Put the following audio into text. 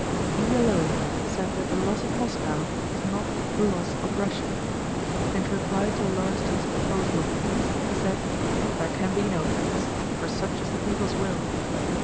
He alone said that the loss of Moscow is not the loss of Russia. In reply to Lauriston's proposal of peace, he said: There can be no peace, for such is the people's will.